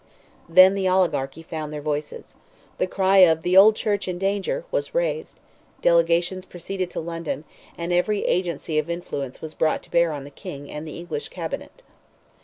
Then the oligarchy found their voices. The old cry of "the Church in danger" was raised, delegations proceeded to London, and every agency of influence was brought to bear on the King and the English cabinet.